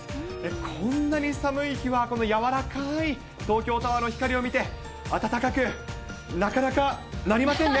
こんなに寒い日は、このやわらかい東京タワーの光を見て、暖かく、なかなかなりませんね。